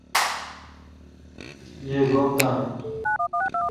یی گوپ دان۔